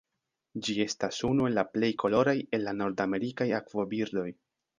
Ĝi estas unu el la plej koloraj el la nordamerikaj akvobirdoj.